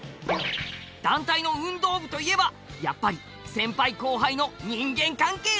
団体の運動部といえばやっぱり先輩後輩の人間関係っすよね。